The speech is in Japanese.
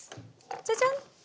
じゃじゃん。